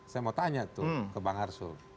saya mau tanya tuh ke bang arsul